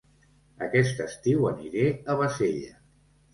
Aquest estiu aniré a Bassella